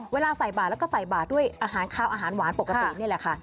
เวลาใส่บาทแล้วก็ใส่บาทด้วยอาหารคาวอาหารหวานปกตินี่แหละค่ะ